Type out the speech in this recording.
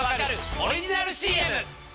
オリジナルＣＭ！